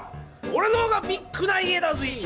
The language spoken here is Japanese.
おれの方がビッグな家だぜぇ！